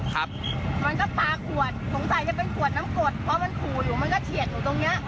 แฟนหนูก็สู้อยู่คนเดียวอย่างนั้น